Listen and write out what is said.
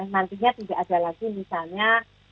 nantinya tidak ada lagi misalnya